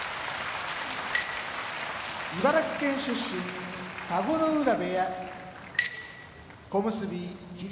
茨城県出身田子ノ浦部屋小結・霧